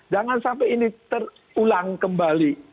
jangan sampai ini terulang kembali